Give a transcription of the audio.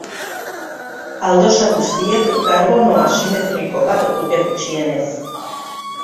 Aldosa guztiek karbono asimetriko bat dute gutxienez.